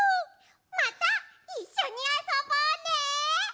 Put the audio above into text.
またいっしょにあそぼうね！